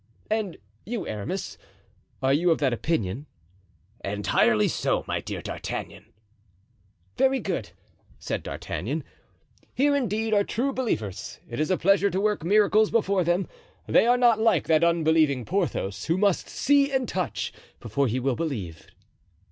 "And you, Aramis, are you of that opinion?" "Entirely so, my dear D'Artagnan." "Very good," said D'Artagnan; "here indeed are true believers; it is a pleasure to work miracles before them; they are not like that unbelieving Porthos, who must see and touch before he will believe."